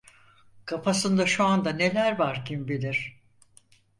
Kafasında şu anda neler var kimbilir...